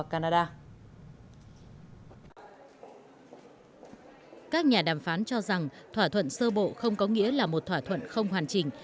các nhà đàm phán cho rằng thỏa thuận sơ bộ không có nghĩa là một thỏa thuận không hoàn chỉnh